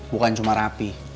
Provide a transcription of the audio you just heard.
bukan cuma rapi